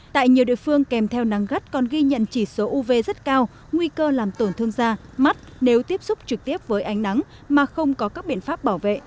tại nhiều địa phương kèm theo nắng gắt còn ghi nhận chỉ số uv rất cao nguy cơ làm tổn thương da mắt nếu tiếp xúc trực tiếp với ánh nắng mà không có các biện pháp bảo vệ